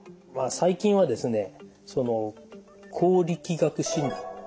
最近はですね光力学診断